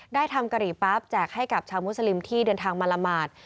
ได้ทำกะหรี่ปั๊บแจกให้กับชาวมุสลิมที่เดินทางมาละหมาด